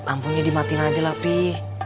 pih lampunya dimatiin aja lah pih